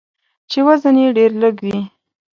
چې وزن یې ډیر لږوي.